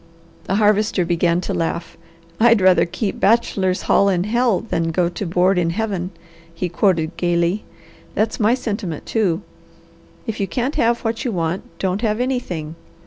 The Harvester began to laugh. "'I'd rather keep bachelor's hall in Hell than go to board in Heaven!'" he quoted gaily. "That's my sentiment too. If you can't have what you want, don't have anything.